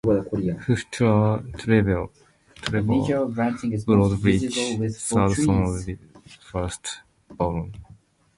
Hugh Trevor Broadbridge, third son of the first Baron.